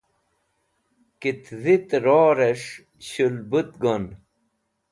kitdhit ror'esh shulbut gon